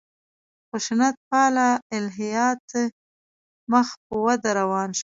خشونت پاله الهیات مخ په وده روان شول.